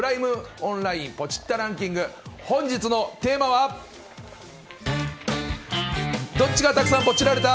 オンラインポチッたランキング本日のテーマはどっちがたくさんポチられた！？